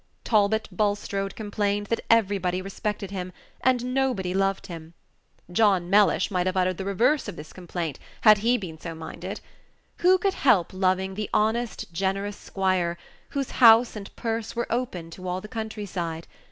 Talbot Bulstrode complained that everybody respected him, and nobody loved him. John Mellish might have uttered the reverse of this complaint, had he been so minded. Who could help loving the honest, generous squire, whose house and purse were open to all the country side?